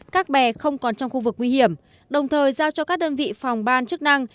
các bè không còn trong khu vực nguy hiểm đồng thời giao cho các đơn vị phòng ban chức năng